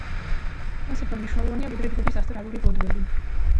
ეს უფრო მნიშვნელოვანია, ვიდრე ჯგუფის ასტრალური ბოდვები.